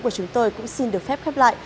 của chúng tôi cũng xin được phép khép lại